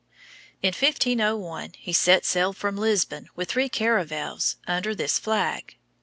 In 1501 he set sail from Lisbon with three caravels, under this flag.